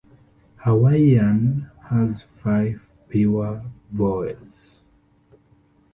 Hawaiian has five pure vowels.